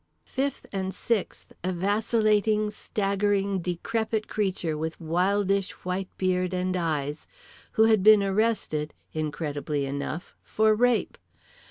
Fifth and sixth, a vacillating, staggering, decrepit creature with wildish white beard and eyes, who had been arrested—incredibly enough—for "rape."